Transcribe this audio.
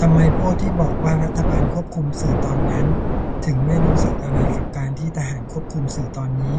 ทำไมพวกที่บอก รัฐบาลควบคุมสื่อตอนนั้น ถึงไม่รู้สึกอะไรกับการที่ทหารควบคุมสื่อตอนนี้ ?